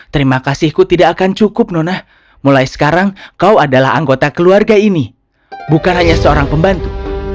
terima kasihku tidak akan cukup nona mulai sekarang kau adalah anggota keluarga ini bukan hanya seorang pembantu